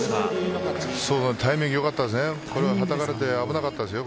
タイミングよかったですね。